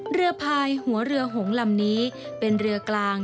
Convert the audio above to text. เรือพายหัวเรือหงลำนี้เป็นเรือกลาง